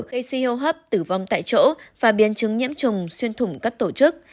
gây suy hô hấp tử vong tại chỗ và biến chứng nhiễm trùng xuyên thủng các tổ chức